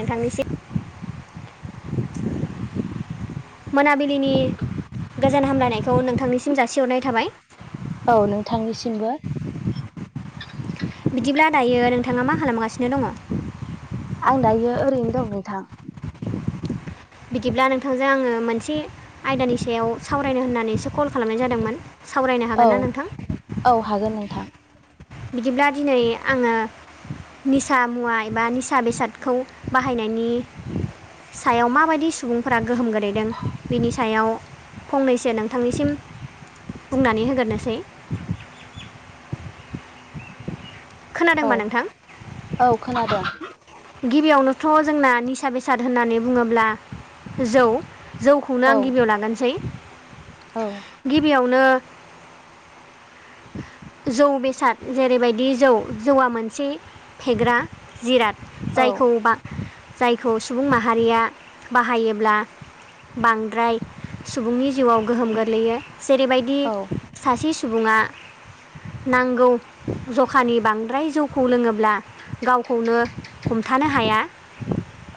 नोंथांनिसिम मोनाबिलिनि गोजान हामलायनायखौ नोंथांनिसिम जासिहरनाय थाबाय औ नोंथांनिसिमबो बिदिब्ला दायो नोंथाङा मा खालामगासिनो दङ आं दायो ओरैनो दं नोंथां बिदिब्ला नोंथांजों आङो मोनसे आयदानि सायाव सावरायनो होननानैसो कल खालामनाय जादोंमोन सावरायनो औ हागोन ना नोंथां औ हागोन नोंथां बिदिब्ला दिनै आंङो निसा मुवा एबा निसा बेसादखौ बाहायनायनि सायाव माबायदि सुबुंफोरा गोहोम गोलैदों बिनि सायाव फंनैसो नोंथांनिसिम बुंनानै होग्रोसै औ खोनादोंबा नोंथां औ खोनादों गिबियावनोथ' जोंना निसा बेसाद होननानै बुङोब्ला जौ जौखौनो औ आं गिबियाव लानानसै औ गिबियावनो जौ बेसाद जेरैबायदि जौ जौआ मोनसे फेग्रा जिराद। औ जायखौ बा जायखौ सुबुं माहारिया बाहायोब्ला बांद्राय सुबुंनि जिउआव गोहोम गोलैयो जेरैबायदि औ दि सासे सुबुङा नांगौ जखानि बांद्राय जौखौ लोङोब्ला गावखौनो हमथानो हाया।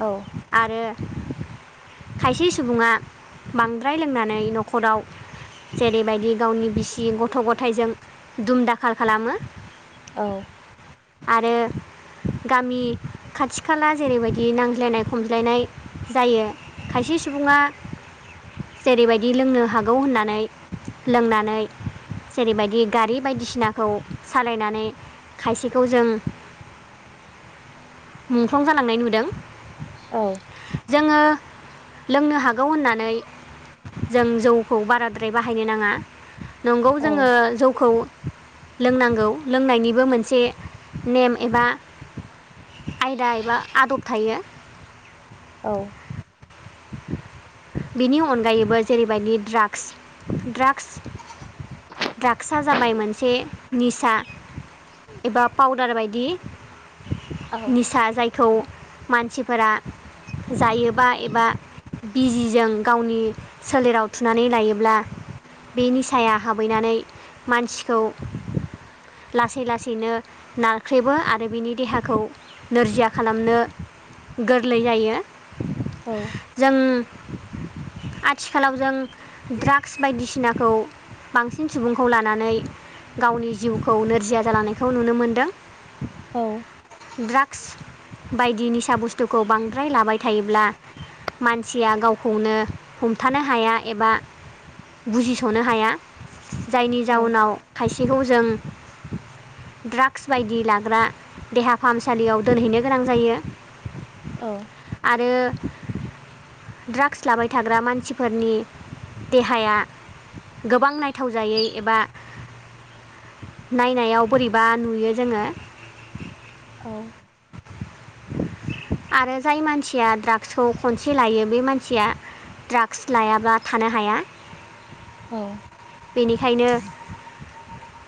औ आरो खायसे सुबुङा बांद्राय लोंनानै न'खराव जेरैबायदि गावनि बिसि गथ' गथायजों दुम दाखाल खालामो। औ आरो गामि खाथि खाला जेरैबायदि नांज्लायनाय खमज्लायनाय जायो खायसे सुबुङा जेरैबायदि लोंनो हागौ होननानै लोंनानै जेरैबायदि गारि बायदिसिनाखौ सालायनानै खायसेखौ जों मुंख्लं जालांनाय नुदों। औ जोङो लोंनो हागौ होननानै जों जौखौ बाराद्राय बाहायनो नाङा नंगौ औ जोङो जौखौ लोंनांगौ लोंनायनिबो मोनसे नेम एबा आयदा एबा आदब थायो। औ बेनि अनगायैबो जेरैबायदि ड्राग्स ड्राग्स ड्राग्सआ जाबाय मोनसे निसा एबा पाउदार बायदि औ निसा जाय खौ मानसिफोरा जायोबा एबा बिजिजों गावनि सोलेराव थुनानै लायोब्ला बे निसाया हाबहैनानै मानसिखौ लासै लासैनो नारख्रेबो आरो बिनि देहाखौ नोरजिया खालामनो गोरलै जायो। औ जों आथिखालाव जों ड्राग्स बायदिसिनाखौ बांसिन सुबुंखौ लानानै गावनि जिउखौ नोरजिया जालांनायखौ नुनो मोनदों। औ ड्राग्स बायदि निसा बुस्थुखौ बांद्राय लाबाय थायोब्ला मानसिया गावखौनो हमथानो हाया एबा बुजिस'नो हाया। जायनि जाउनाव खायसेखौ जों ड्राग्स बायदि लाग्रा देहा फाहामसालियाव दोनहैनो गोनां जायो। औ आरो ड्राग्स लाबाय थाग्रा मानसिफोरनि देहाया गोबां नाय थावजायै एबा नायनायाव बोरैबा नुयो जोङो। औ आरो जाय मानसिया ड्राग्सखौ खनसे लायो बे मानसिया ड्राग्स लायाबा थानो हाया। औ बेनिखायनो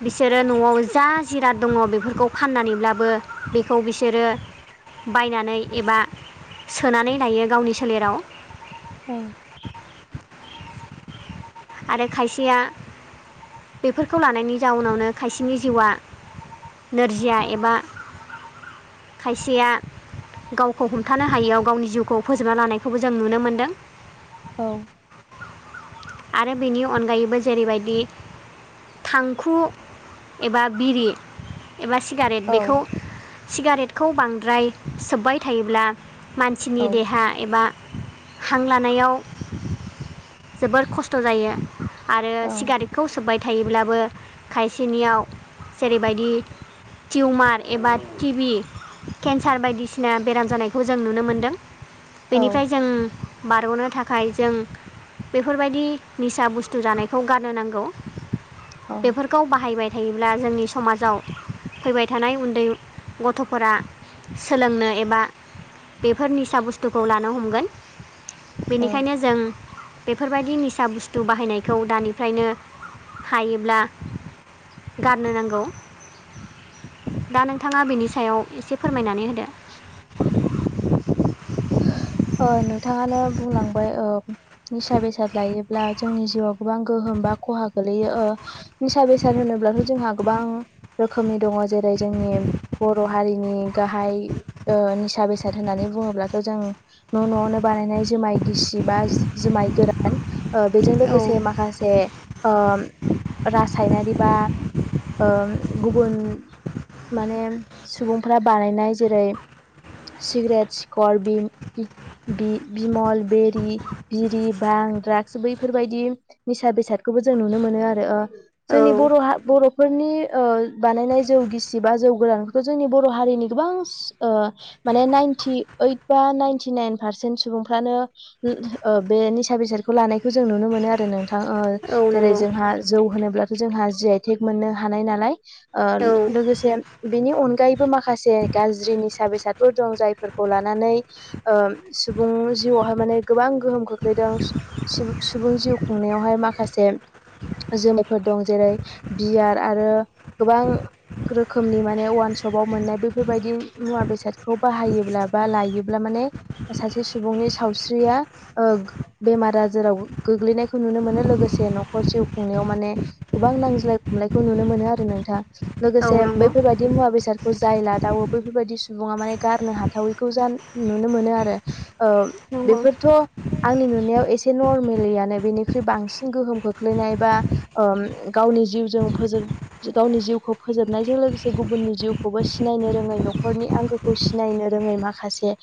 बिसोरो न'आव जा जिराद दङ बेफोरखौ फाननानैब्लाबो बेखौ बिसोरो बायनानै एबा सोनानै लायो गावनि सोलेराव। औ आरो खायसेया बेफोरखौ लानायनि जाउनावनो खायसेनि जिउआ नोरजिया एबा खायसेया गावखौ हमथानो हायियाव गावनि जिउखौ फोजोबना लानायखौबो जों नुनो मोन्दों। औ आरो बेनि अनगायैबो जेरैबायदि थांखु एबा बिरि एबा सिगारेट बेखौ सिगारेटखौ बांद्राय सोब्बाय थायोब्ला मानसिनि देहा एबा हां लानायाव जोबोर खस्थ' जायो। आरो सिगारि खौ सोब्बाय थायोब्लाबो खायसेनियाव जेरैबायदि टिउमार एबा टि बि केन्सार बायदिसिना बेराम जानायखौ जों नुनो मोनदों। औ बेनिफ्राय जों बारग'नो थाखाय जों बेफोरबायदि निसा बुस्थु जानायखौ गारनो नांगौ। औ बेफोर खौ बाहायबाय थायोब्ला जोंनि समाजाव फैबाय थानाय उन्दै गथ'फोरा सोलोंनो एबा बेफोर निसा बुस्थुखौ लानो हमगोन। औ बेनिखायनो जों बेफोरबायदि नि फिसा बुस्थु बाहायनायखौ दानिफ्रायनो हायोब्ला गारनो नांगौ। दा नोंथाङा बिनि सायाव एसे फोरमायनानै होदो। ओ नोंथाङानो बुंलांबाय ओ निसा बेसाद लायोब्ला जोंनि जिउआव गोबां गोहोम बा खहा गोलैयो ओ निसा बेसाद होनोब्लाथ' जोंहा गोबां रोखोमनि दङ जेरै जोंनि बर' हारिनि गाहाय ओ निसा बेसाद होननानै बुङोब्लाथ जों न' न'आवनो बानायनाय जोमाय गिसि बा जोमाय गोरान ओ बेजों औ लोगोसे माखासे ओ रासायनारि बा ओ गुबुन माने सुबुंफ्रा बानायनाय जेरै सिग्रेट सिखर बिम-बि-बिमल बेरि बिरि बां द्राग्स बैफोरबायदि निसा बेसादखौबो जों नुनो मोनो आरो। ओ औ जोंनि बर' हा बर'फोरनि बानायनाय जौ गिसि बा जौ गोरान खौ जोंनि बर' हारिनि गोबां ओ माने नाइनटि ओइद बा नाइनटि नाइन पारसेन्ट सुबुंफ्रानो ओ बे निसा बेसादखौ लानायखौ जों नुनो मोनो आरो नोंथां। ओ औ जेरै नंगौ जोंहा जौ होनोब्लाथ' जोंहा जि आइ थेक मोननो हानाय नालाय। ओ औ लोगोसे बेनि अनगायैबो माखासे गाज्रि निसा बेसादफोर दं जायफोर खौ लानानै ओ सुबुं जिउआवहाय माने गोबां गोहोम गो गोग्लैदों सुबुं जिउ खुंनायावहाय माखासे जोमायफोर दं जेरै बियार आरो गोबां रोखोमनि माने अवान सपाव मोननाय बेैफोरबायदि मुवा बेसादखौ बाहायोब्ला बा लायोब्ला माने सासे सुबुंनि सावस्रिया ओ बेमार आजाराव गोग्लैनायखौ नुनो मोनो लोगोसे न'खर जिउ खुंनायाव माने गोबां नांज्लाय खमलायखौ नुनो मोनो आरो नोंथां। औ लोगोसे नंगौ बैफोरबायदि मुवा बेसादखौ जाय लादावो बैफोरबायदि सुबुङा माने गारनो हा थावैखौ जा नुनो मोनो आरो ओ नंगौ बेफोरथ' आंनि नुनायाव एसे नरमेलियानो बेनिख्रुइ बांसिन गोहोम खोख्लैनाय बा ओम गावनि जिउजों फोजोब गावनि जिउखौ फोजोबनायजों लोगोसे गुबुननि जिउखौबो सिनायनो रोङै न'खरनि आंगोखौ सिनायनो रोङै माखासे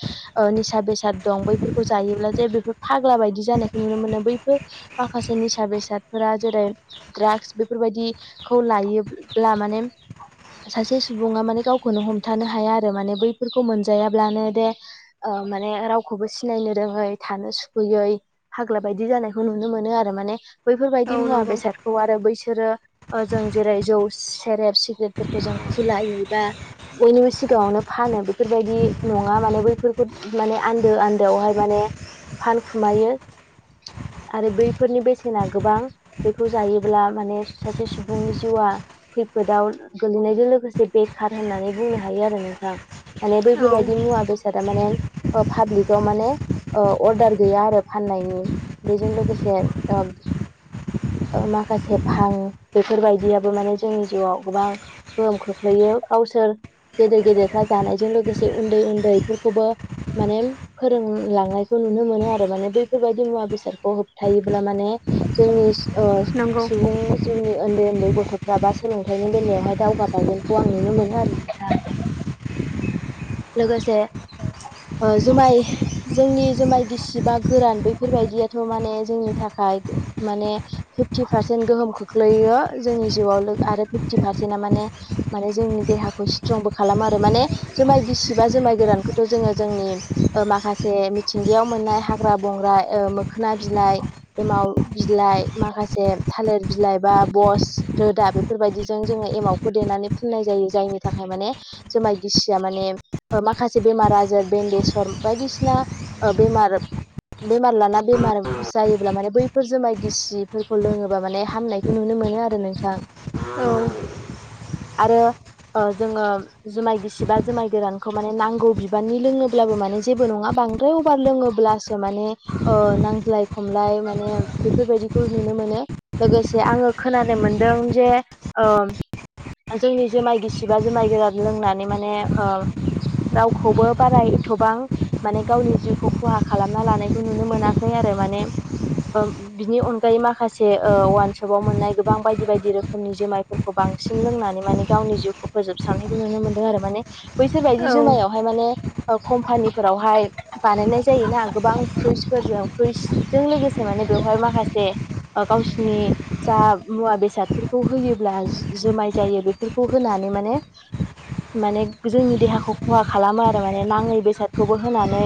ओ निसा बेसाद दं बैफोरखौ जायोब्ला जे बेफोर फाग्ला बायदि जानायखौ नुनो मोनो बैफोर माखासे निसा बेसादफोरा जेरै- ड्राग्स बेफोरबायदिखौ लायोब्ला माने सासे सुबुङा माने गावखौनो हमथानो हाया आरो माने बैफोरखौ मोनजायाब्लानो दे ओ माने रावखौबो सिनायनो रोङै थानो सुखुयै फाग्ला बायदि जानायखौ नुनो मोनो आरो माने औ बैफोरबायाददि मुवा नंगौ बेसादखौ आरो बैसोरो जों जेरै- जौ सेरेब सिग्रेटफोरखौ जों खुलायो बा बयनिबो सिगाङावनो फानो बेफोर बायादि नङा माने बैफोरखौ माने आन्दो आन्दोआवहाय माने फानखुमायो आरो बैफोरनि बेसेना गोबां बेखौ जायोब्ला माने सासे सुबुंनि जिउआ खैफोदाव गोलैनायजों लोगोसे बेखार होननानै बुंनो हायो आरो नोंथां माने औ बेफोरबायदि मुवा बेसाद जादो माने ओ पाब्लिकआव माने ओ अर्डार गैया आरो फाननायनि बेजों लोगोसे ओ ओ माखासे फानो बेफोरबायदियाबो माने जोंनि जिउआव गोबां गोहोम खोख्लैयो गावसोर गेदेर गेदेरफ्रा जानायजों लोगोसे उन्दै उन्दैफोरखौबो माने फोरोंलांनायखौ नुनो मोनो आरो माने बैफोरबायदि मुवा बेसादखौ होबथायोब्ला माने जोंनिसिम ओ नंगौ सुबुं जिउनि उन्दै उन्दै गथ'फ्राबा सोलोंथाइनि बेलायावहाय दावगाबावगोनखौ आं नुनो मोनो आरो नोंथां लोगोसे ओ जुमाय जोंनि जुमाय गिसि बा गोरान बैफोरबायदियाथ' माने जोंनि थाखाय माने फिफ्टि पारसेन्ट गोहोम खोख्लैयो जोंनि जिउआव लो आरो फिफ्टि पारसेन्टा माने माने जोंनि देहाखौ स्ट्रंबो खालामो आ रो माने जुमाय गिसिबा जुमाय गोरानखौथ' जोङो जोंनि ओ माखासे मिथिंगायाव मोननाय हाग्रा बंग्रा ओ मोखोना बिलाइ एमाव बिलाइ माखासे थालिर बिलाइ बा बस रोदा बे फोरबायदिजों जोङो एमावखौ देनानै फुननाय जायो जायनि थाखाय माने जुमाय गिसिया माने ओ माखासे बेमार आजार बेन्डेसर बायदिसिना ओ बेमार बेमार लाना बेमार जायोब्ला माने बैफोर जुमाय गिसिफोरखौ लोङोबा माने हामनायखौ नुनो मोनो आरो नोंथां औ आरो ओ जोङो जुमाय गिसिबा जुमाय गोरानखौ माने नांगौ बिबाननि लोङोब्लाबो माने जेबो नङा बांद्राय अभार लोङोब्लास सो ओ माने नांज्लाय खमलाय माने बेफोरबायदिखौ नुनो मोनो। लोगोसे आङो खोनानो मोनदों जे ओम जोंनि जुमाय गिसिबा जुमाय गोरान लोंनानै माने ओ रावखौबो बारा एदथ'बांं माने गावनि जिउखौ खहा खालामना लानायखौ नुनो मोनाखै आरो माने ओम बिनि अनगायै माखासे ओ वानसपाव मोननाय गोबां बायदि बायदि रोखोमनि जुमायफोर खौ बांसिन लोंनानै माने गावनि जिउखौ फोजोबस्रांनाय नुनो मोनदों आरो माने बैसोर बायदि औ जुमायावहाय माने ओ कम्पानिफोरावहाय बानायनाय जायोना गोबां फ्रुइसफोरजों फ्रुइस जों लोगोसे माने बेवहाय माखासे ओ गावसिनि जा मुवा बेसादफोरखौ होयोब्ला जु-जुमाय जायो बेफोरखौ होनानै माने माने जोंनि देहाखौ खहा खालामो आरो माने नाङै बेसादखौबो होनानै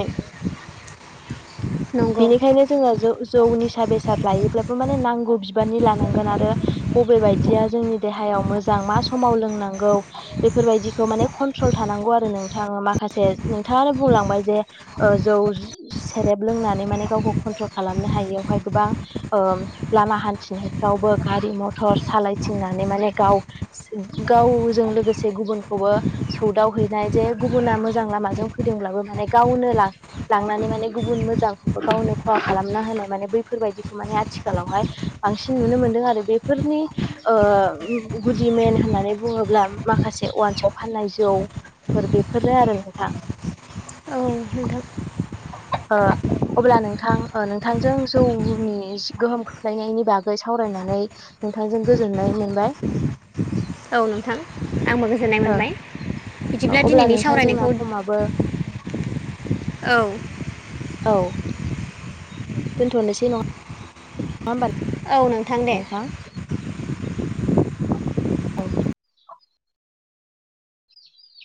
[inaudible] नंगौ बेनिखायनो जोंङो ज जौ निसा बेसाद लायोब्लाबो माने नांगौ बिबारनि लानांगोन आरो बबे बायदिया जोंनि देहायाव मोजां मा समाव लोंनांगौ बेफोरबायदिखौ माने कन्ट्रल थानांगौ आरो नोंथाङो माखासे नोंथाङानो बुंलांबाय जे ओ जौ सेरेब लोंनानै माने गावखौ कन्ट्रल खालामनो हायियावहाय गोबां लामा हान्थिनायफ्रावबो गारि मथर सालायथिंनानै माने गाव गावजों लोगो एसे गुबुनखौबो सौदाव हैैनाय जे गुबुना मोजां लामाजों फैदोंब्लाबो माने गावनो ला लांनानै माने गुबुन मोजांखौबो गावनो खहा खालामना होनो माने बैफोरबायदिखौ माने आथिखालावहाय बांसिन नुनो मोनदों आरो बेफोरनि ओ गुदि मेन होननानै बुङोब्ला माखासे अवान्सआव फाननाय जौफोर बेफोरनो आरो नोंथां। औ नोंथां ओ अब्ला नोंथां नोंथांजों जौनि गोहोम खोख्लैनायनि बागै सावरायनानै नोंथांजों गोजोननाय मोनबाय औ नोंथां आंबो गोजोननाय ओ मोनबाय बिदिब्ला अब्ला दिनैनि नोंथां जोंना सावरायनायखौ समाबो औ औ दोनथ'नोसै नङा होमबा औ दे नोंथां औ